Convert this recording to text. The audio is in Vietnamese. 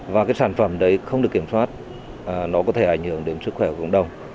và cái sản phẩm đấy không được kiểm soát nó có thể ảnh hưởng đến sức khỏe của cộng đồng